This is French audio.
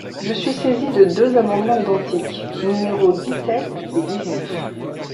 Je suis saisie de deux amendements identiques, numéros dix-sept et dix-neuf.